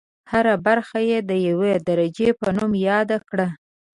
هره برخه یې د یوې درجې په نوم یاده کړه.